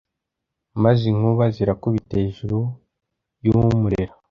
Maze inkuba zirakubita hejuru y'umurera,